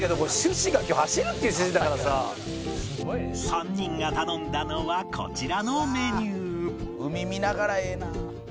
３人が頼んだのはこちらのメニュー「海見ながらええな」